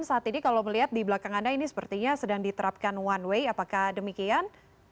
saat ini kalau melihat di belakang anda ini sepertinya sedang diterapkan one way apakah demikian